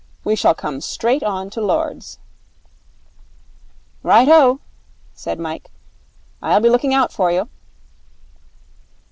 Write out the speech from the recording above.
We shall come straight on to Lord's.' 'Right ho,' said Mike. 'I'll be looking out for you.'